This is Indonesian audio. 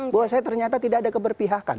bahwa saya ternyata tidak ada keberpihakan